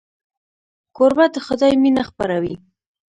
کوربه د خدای مینه خپروي.